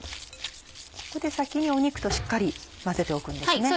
ここで先に肉としっかり混ぜておくんですね。